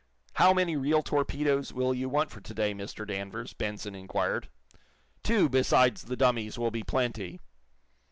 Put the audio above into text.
"How many real torpedoes will you want for to day, Mr. Danvers?" Benson inquired. "Two, besides the dummies, will be plenty."